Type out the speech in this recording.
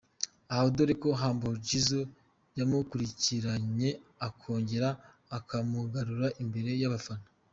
aho, dore ko Humble Gizzo yamukurikiranye akongera akamugarura imbere yabafana.